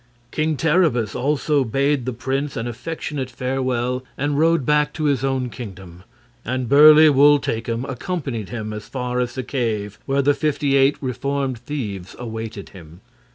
King Terribus also bade the prince an affectionate farewell and rode back to his own kingdom; and burly Wul Takim accompanied him as far as the cave, where the fifty eight reformed thieves awaited him.